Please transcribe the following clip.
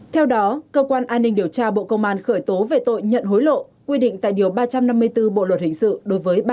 theo đó cơ quan an ninh điều tra bộ công an khởi tố về tội nhận hối lộ quyết định tại điều ba trăm năm mươi bốn bộ luật hình sự đối với ba bị can